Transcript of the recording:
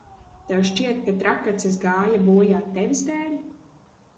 Tev šķiet, ka Trakacis gāja bojā tevis dēļ?